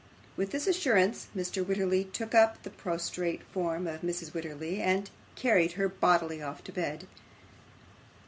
With this assurance Mr. Wititterly took up the prostrate form of Mrs. Wititterly, and carried her bodily off to bed.